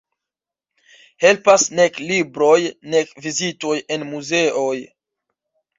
Helpas nek libroj nek vizitoj en muzeoj.